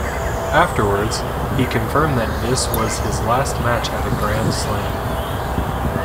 Afterwards, he confirmed that this was his last match at a grand slam.